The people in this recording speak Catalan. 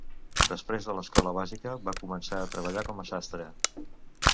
Després de l'escola bàsica, va començar a treballar com a sastre.